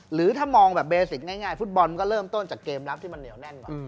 หรือถ้ามองแบบเบสิกง่ายฟุตบอลก็เริ่มต้นจากเกมรับที่มันเหนียวแน่นกว่า